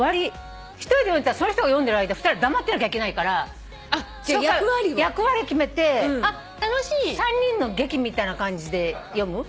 １人で読んでたらその人が読んでる間２人は黙ってなきゃいけないから役割を決めて３人の劇みたいな感じで読む？